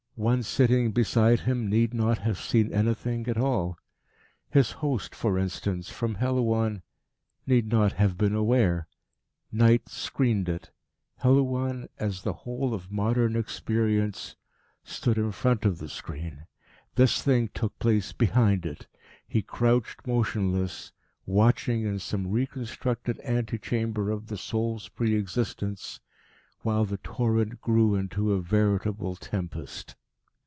One sitting beside him need not have seen anything at all. His host, for instance, from Helouan, need not have been aware. Night screened it; Helouan, as the whole of modern experience, stood in front of the screen. This thing took place behind it. He crouched motionless, watching in some reconstructed ante chamber of the soul's pre existence, while the torrent grew into a veritable tempest.